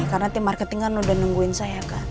karena tim marketing kan udah nungguin saya kan